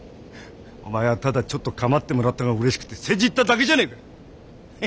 お前はただちょっとかまってもらったのがうれしくて世辞言っただけじゃねえか。